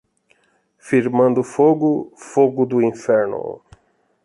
Firmando fogo, fogo do inferno.